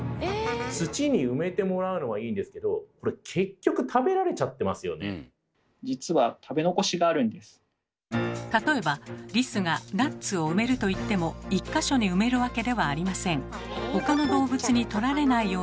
土に埋めてもらうのはいいんですけどじつは例えばリスがナッツを埋めるといっても１か所に埋めるわけではありません。